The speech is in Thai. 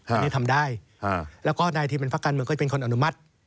อันนี้ทำได้แล้วก็นายที่เป็นภาคการเมืองก็จะเป็นคนอนุมัติ